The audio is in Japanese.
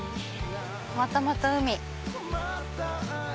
またまた海。